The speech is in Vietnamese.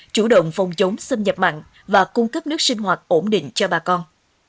chủ động phòng chống xâm nhập mặn và cung cấp nước sinh hoạt ổn định cho bà con